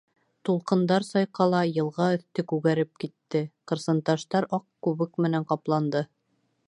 Тулҡындар сайҡала, йылға өҫтө күгәреп китте, ҡырсынташтар аҡ күбек менән ҡапланды.